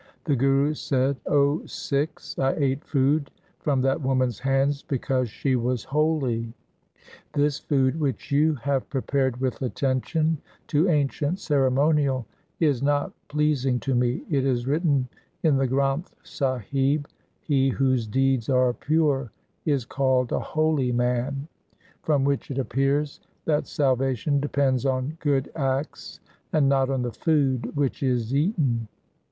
The Guru said, ' O Sikhs, I ate food from that woman's hands because she was holy. This LIFE OF GURU HAR RAI 281 food which you have prepared with attention to ancient ceremonial is not pleasing to me. It is written in the Granth Sahib :— He whose deeds are pure is called a holy man, 1 from which it appears that salvation depends on good acts and not on the food which is eaten.